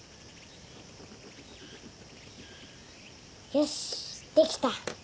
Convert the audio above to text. よしできた。